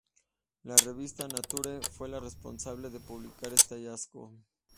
La revista "Nature" fue la responsable de publicar este hallazgo.